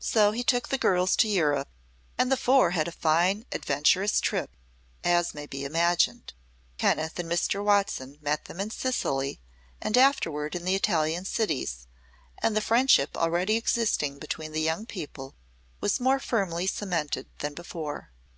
So he took the girls to Europe, and the four had a fine, adventurous trip, as may be imagined. Kenneth and Mr. Watson met them in Sicily, and afterward in the Italian cities, and the friendship already existing between the young people was more firmly cemented than before.